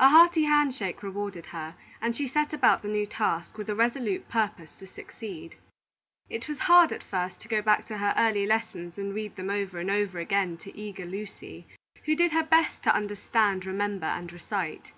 A hearty hand shake rewarded her, and she set about the new task with a resolute purpose to succeed. It was hard at first to go back to her early lessons and read them over and over again to eager Lucy, who did her best to understand, remember, and recite.